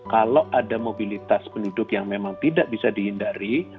kalau ada mobilitas penduduk yang memang tidak bisa dihindari